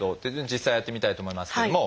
実際やってみたいと思いますけれども。